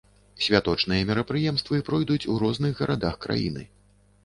Святочныя мерапрыемствы пройдуць і ў розных гарадах краіны.